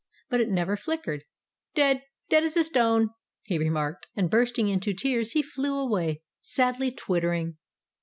But it never flickered. "Dead! Dead as a stone!" he remarked. And bursting into tears, he flew away, sadly twittering.